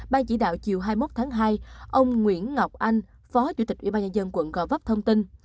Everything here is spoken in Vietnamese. ban chỉ đạo chiều hai mươi một tháng hai ông nguyễn ngọc anh phó chủ tịch ubnd quận gò vấp thông tin